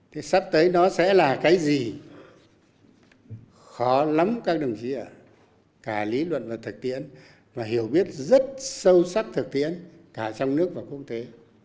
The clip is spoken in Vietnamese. thì sắp tới nó sẽ là cái gì khó lắm các đồng chí ạ cả lý luận và thực tiễn và hiểu biết rất sâu sắc thực tiễn cả trong nước và quốc tế